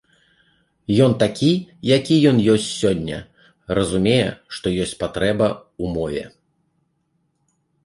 Ён такі, які ён ёсць сёння, разумее, што ёсць патрэба ў мове.